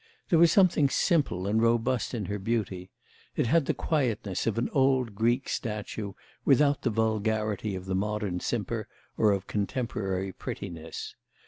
There was something simple and robust in her beauty; it had the quietness of an old Greek statue, without the vulgarity of the modern simper or of contemporary prettiness.